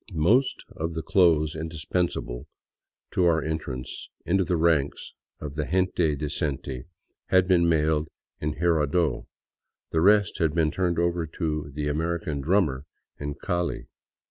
Most of the clothes indispensible to our entrance into the ranks of the gente decente had been mailed in Jirardot, the rest had been turned over to the American drummer " in Call.